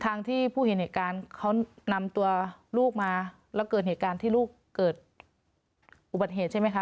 ทางที่ผู้เห็นเหตุการณ์เขานำตัวลูกมาแล้วเกิดเหตุการณ์ที่ลูกเกิดอุบัติเหตุใช่ไหมคะ